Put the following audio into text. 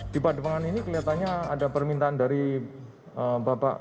di pademangan ini kelihatannya ada permintaan dari bapak